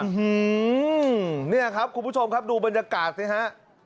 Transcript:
หือเนี่ยครับคุณผู้ชมครับดูบรรยากาศสิฮะ